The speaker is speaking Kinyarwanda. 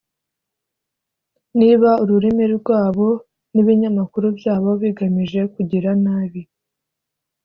Niba ururimi rwabo n’ibinyamakuru byabo bigamije kugira nabi